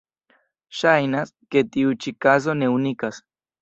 Ŝajnas, ke tiu ĉi kazo ne unikas.